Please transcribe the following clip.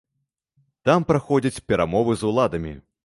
Там праходзяць перамовы з уладамі.